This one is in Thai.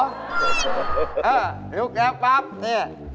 ลุกแล้วปั๊บเนี่ย